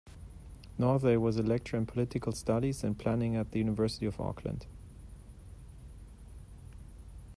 Northey was a lecturer in Political Studies and Planning at the University of Auckland.